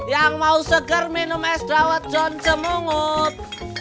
yang mau segar minum es dawat john cemungut